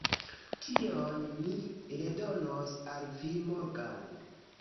Tion mi redonos al vi morgaŭ